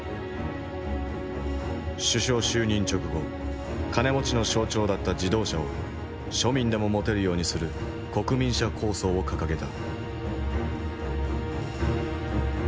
首相就任直後金持ちの象徴だった自動車を庶民でも持てるようにする国民車構想を掲げた。